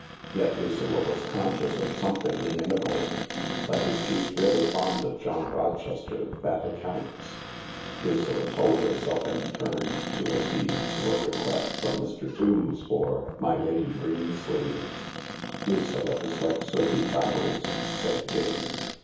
Yet Lucilla was conscious of something inimical. " But if she's really fond of John Rochester that accounts," Lucilla told herself, and turned to accede to a request from Mr. Tombs for " My Lady Greensleeves." " Lucilla is like Sophy Traddles," said Jane.